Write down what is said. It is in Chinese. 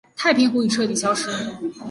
太平湖已彻底消失。